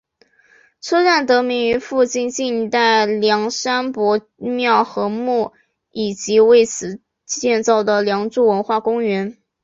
车站得名于附近晋代梁山伯庙和墓以及为此建造的梁祝文化公园。